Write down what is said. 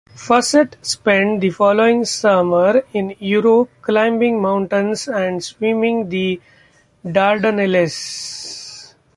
Fossett spent the following summer in Europe climbing mountains and swimming the Dardanelles.